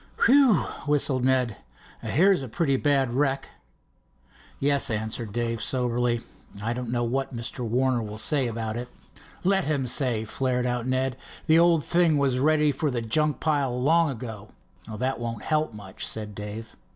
"Whew!" whistled Ned, "here's a pretty bad wreck." "Yes," assented Dave soberly. "I don't know what Mr. Warner will say about it." "Let him say!" flared out Ned. "The old thing was ready for the junk pile, long ago." "That won't help much," said Dave.